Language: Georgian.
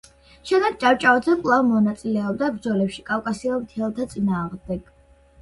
შემდეგ ჭავჭავაძე კვლავ მონაწილეობდა ბრძოლებში კავკასიელ მთიელთა წინააღმდეგ.